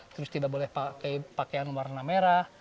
terus tidak boleh pakai pakaian warna merah